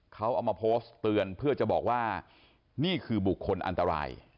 เขาเอามาโพสต์เตือนเพื่อจะบอกว่านี่คือบุคคลอันตราย